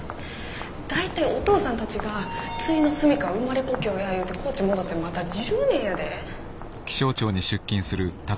大体お父さんたちがついの住みかは生まれ故郷や言うて高知戻ってまだ１０年やで。